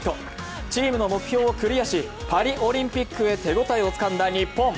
チームの目標をクリアしパリオリンピックへ手応えをつかんだ日本。